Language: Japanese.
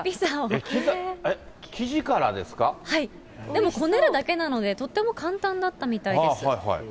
でもこねるだけなので、とっても簡単だったみたいです。